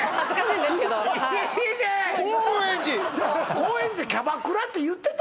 高円寺でキャバクラって言ってた？